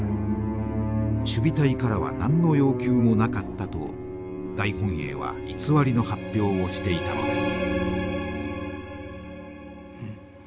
守備隊からは何の要求もなかったと大本営は偽りの発表をしていたのです。